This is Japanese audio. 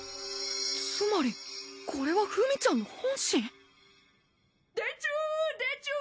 つまりこれはフミちゃんの本心？